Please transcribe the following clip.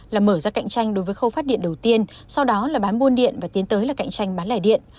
là mở ra cạnh tranh đối với khâu phát điện đầu tiên sau đó là bán buôn điện và tiến tới là cạnh tranh bán lẻ điện